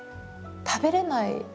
食べれない。